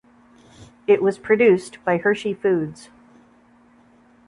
It was produced by Hershey Foods.